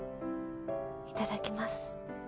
いただきます。